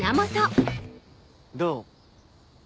どう？